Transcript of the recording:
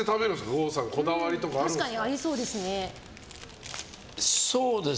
郷さんこだわりとかあるんですか。